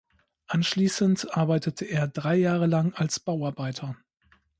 Anschließend arbeitete er drei Jahre lang als Bauarbeiter.